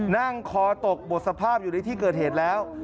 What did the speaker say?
นั่งคอตกหมดสภาพอยู่ในที่เกิดเหตุแล้ว